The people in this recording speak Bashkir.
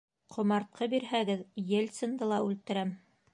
Ҡомартҡы бирһәгеҙ, Ельцинды ла үлтерәм!